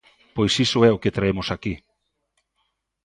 Pois iso é o que traemos aquí.